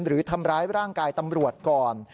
หรือทำร้ายร่างกายตำรวจก่อน